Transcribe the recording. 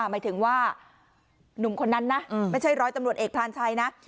หมายถึงว่าหนุ่มคนนั้นนะไม่ใช่ร้อยตำรวจเอกพรานชัยนะ